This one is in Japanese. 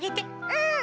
うん！